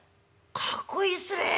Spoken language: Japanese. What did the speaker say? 「かっこいいっすねえ？